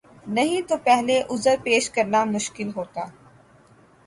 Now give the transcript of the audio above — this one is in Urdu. نہیں تو پہلے عذر پیش کرنا مشکل ہوتا۔